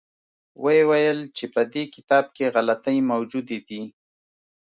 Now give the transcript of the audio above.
ویې ویل چې په دې کتاب کې غلطۍ موجودې دي.